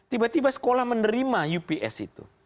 tiba tiba sekolah menerima ups itu